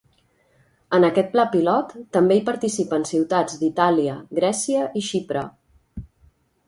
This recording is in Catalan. En aquest pla pilot també hi participen ciutats d'Itàlia, Grècia i Xipre.